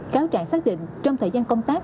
cáo trạng xác định trong thời gian công tác